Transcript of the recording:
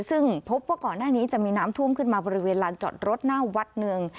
ซึ่งพบว่าก่อนหน้านี้จะมีน้ำท่วมขึ้นมาบริเวณลานจอดรถหน้าวัดหนึ่ง